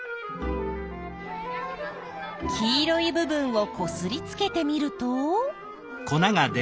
黄色い部分をこすりつけてみると。